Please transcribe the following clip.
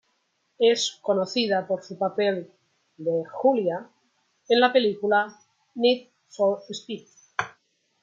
Es conocida por su papel de Julia en la película "Need for Speed".